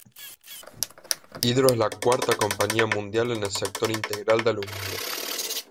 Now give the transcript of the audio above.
Hydro es la cuarta compañía mundial en el sector integral del aluminio.